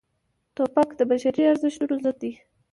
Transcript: توپک د بشري ارزښتونو ضد دی.